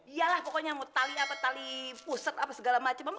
iya lah pokoknya tali puset apa segala macem